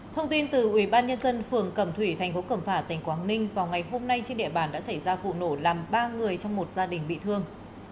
thông tin từ ubnd phường cẩm thủy thành phố cẩm phả tỉnh quảng ninh vào ngày hôm nay trên địa bàn đã xảy ra vụ nổ làm ba người trong một gia đình bị thương